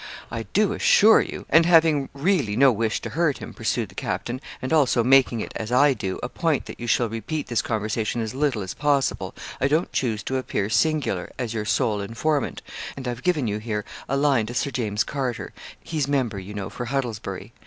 'I do assure you ' 'And having really no wish to hurt him,' pursued the captain, 'and also making it, as I do, a point that you shall repeat this conversation as little as possible, I don't choose to appear singular, as your sole informant, and I've given you here a line to Sir James Carter he's member, you know, for Huddlesbury.